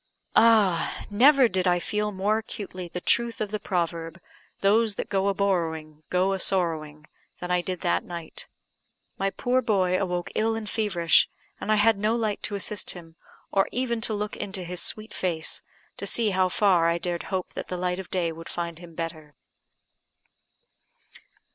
Ah! never did I feel more acutely the truth of the proverb, "Those that go a borrowing go a sorrowing," than I did that night. My poor boy awoke ill and feverish, and I had no light to assist him, or even to look into his sweet face, to see how far I dared hope that the light of day would find him better.